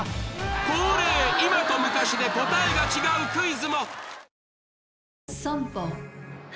恒例今と昔で答えが違うクイズも！